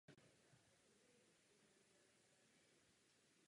Angličtina je jazyk s pevnou stavbou věty.